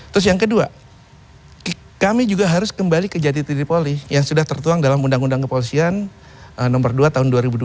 terus yang kedua kami juga harus kembali ke jati diri poli yang sudah tertuang dalam undang undang kepolisian nomor dua tahun dua ribu dua